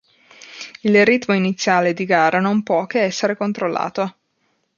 Il ritmo iniziale di gara non può che essere controllato.